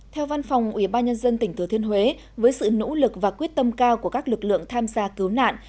theo văn phòng ubnd tỉnh thừa thiên huế với sự nỗ lực và quyết tâm cao của các lực lượng tham gia cứu nạn